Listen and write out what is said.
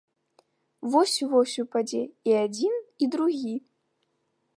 Вось-вось упадзе і адзін і другі.